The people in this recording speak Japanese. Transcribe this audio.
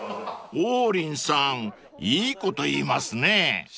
［王林さんいいこと言いますね］